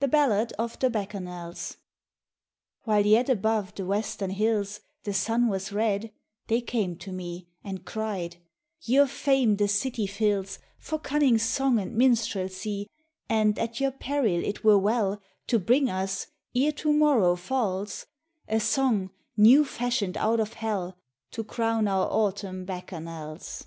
THE BALLAD OF THE BACCHANALS WHILE yet above the western hills The sun was red, they came to me And cried, "Your fame the city fills For cunning song and minstrelsy, And at your peril it were well To bring us, ere to morrow falls, A song new fashioned out of hell To crown our autumn Bacchanals."